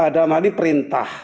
dalam hal ini perintah